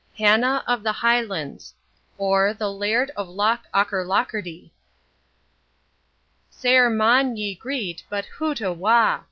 Hannah of the Highlands: or, The Laird of Loch Aucherlocherty "Sair maun ye greet, but hoot awa!